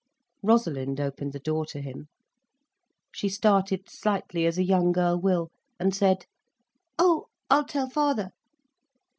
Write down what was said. Rosalind opened the door to him. She started slightly, as a young girl will, and said: "Oh, I'll tell father."